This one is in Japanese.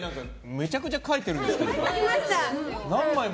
めっちゃ書いてるんですけど。